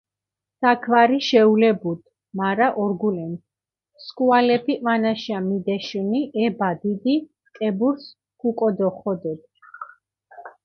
საქვარი შეულებუდჷ, მარა ორგულენდჷ, სქუალეფი ჸვანაშა მიდეშჷნი, ე ბადიდი კებურსჷ ქეკოდოხოდჷდჷ.